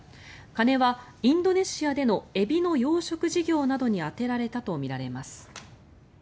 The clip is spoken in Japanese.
金はインドネシアでのエビの養殖事業などに充てられたとみられます。